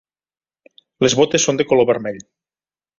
Les botes són de color vermell.